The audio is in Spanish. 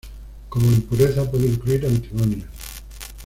Como impureza puede incluir antimonio.